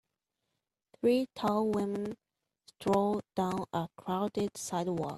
Three tall women stroll down a crowded sidewalk.